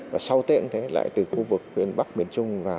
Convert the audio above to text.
và sau tết cũng thế lại từ khu vực miền bắc miền trung vào